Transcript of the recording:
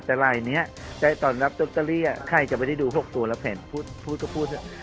แต่ไลน์เนี้ยใต้ตอนรับโต๊ะตะลี่อ่ะใครจะไปได้ดู๖ตัวแล้วแผนพูดก็พูด